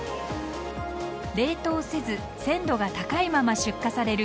冷凍せず鮮度が高いまま出荷される